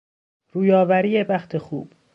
روی آوری بخت خوب